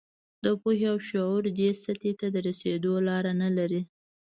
د پوهې او شعور دې سطحې ته رسېدو لاره نه لري.